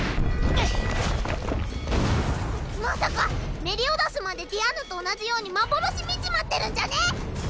まっまさかメリオダスまでディアンヌと同じように幻見ちまってるんじゃね